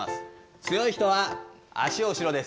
強い人は足を後ろです。